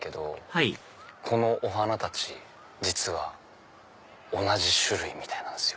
はいこのお花たち実は同じ種類みたいなんですよ。